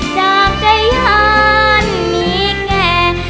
จากใจหารมีแก่